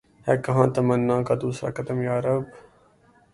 ہے کہاں تمنا کا دوسرا قدم یا رب